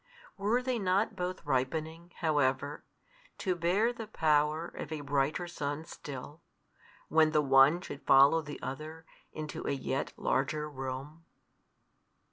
Were they not both ripening, however, to bear the power of a brighter sun still, when the one should follow the other into a yet larger room?